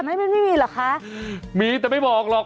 มันไม่มีรี่หรือคะมีแต่ไม่บอกหลอก